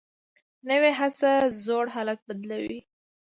نوې هڅه زوړ حالت بدلوي